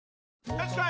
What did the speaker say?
よしこい！